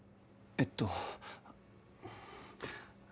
えっと。